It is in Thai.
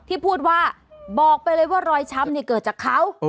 ที่พูดว่าบอกไปเลยว่ารอยช้ำเกิดจากเขา